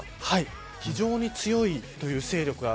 非常に強いという勢力が。